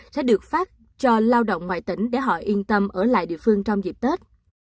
sẽ được phát cho lao động ngoài tỉnh để họ yên tâm ở lại địa phương trong dịp tết